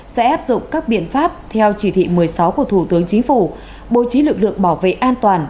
sẽ áp dụng các biện pháp theo chỉ thị một mươi sáu của thủ tướng chính phủ bố trí lực lượng bảo vệ an toàn